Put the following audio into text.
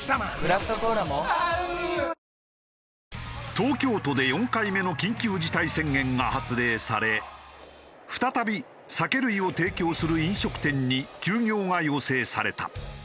東京都で４回目の緊急事態宣言が発令され再び酒類を提供する飲食店に休業が要請された。